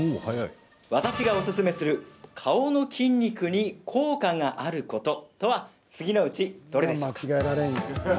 私がおすすめする顔の筋肉に効果があることとは次のうち、どれでしょうか？